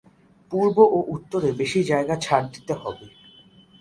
পূর্ব এবং উত্তরে বেশি জায়গা ছাড় দিতে হবে।